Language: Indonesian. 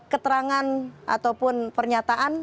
keterangan ataupun pernyataan